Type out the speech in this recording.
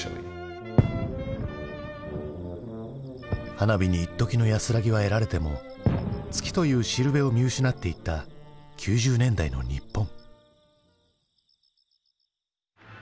花火にいっときの安らぎは得られても月というしるべを見失っていった９０年代の日本。